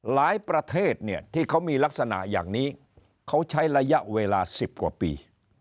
ประเทศเนี่ยที่เขามีลักษณะอย่างนี้เขาใช้ระยะเวลา๑๐กว่าปี